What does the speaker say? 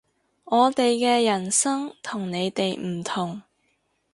我哋嘅人生同你哋唔同